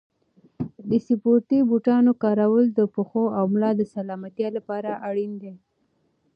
د سپورتي بوټانو کارول د پښو او ملا د سلامتیا لپاره اړین دي.